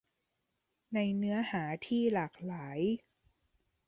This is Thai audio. ในเนื้อหาที่หลากหลาย